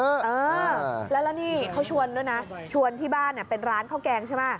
เออแล้วแล้วนี่เขาชวนด้วยนะชวนที่บ้านเนี่ยเป็นร้านข้าวแกงใช่ไหม